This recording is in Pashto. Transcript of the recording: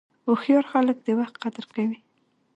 هوښیار خلک د وخت قدر کوي.